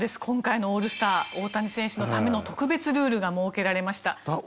今回のオールスター大谷選手のための特別ルールが設けられました。